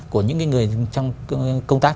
của những người trong công tác